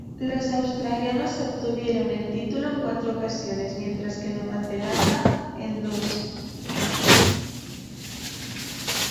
Los australianos obtuvieron el título en cuatro ocasiones, mientras que Nueva Zelanda en dos.